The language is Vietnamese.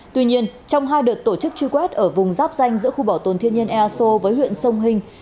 tuy nhiên trong hai đợt tổ chức truy quét ở vùng dắp danh giữa khu bảo tồn thiên nhiên eso với huyện sông hình